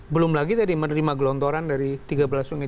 belum lagi tadi menerima gelontoran dari tiga belas sungai